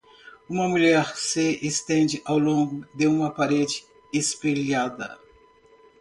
Uma mulher se estende ao longo de uma parede espelhada.